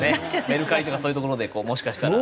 メルカリとかそういうところでこうもしかしたら。